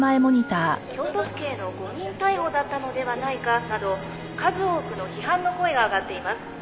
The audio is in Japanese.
「京都府警の誤認逮捕だったのではないかなど数多くの批判の声が上がっています」